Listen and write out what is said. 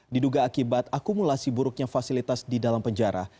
diduga akibat akumulasi buruknya fasilitas di dalam penjara